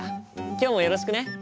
今日もよろしくね。